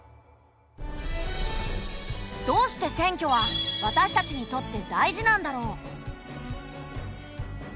どうして選挙は私たちにとって大事なんだろう？